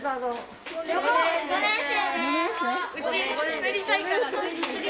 ５年生？